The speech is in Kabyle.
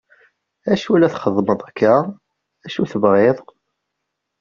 Acu la txeddmeḍ akka? acu tebɣiḍ ?